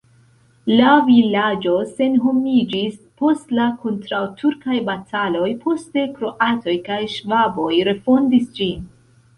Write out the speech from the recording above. La vilaĝo senhomiĝis post la kontraŭturkaj bataloj, poste kroatoj kaj ŝvaboj refondis ĝin.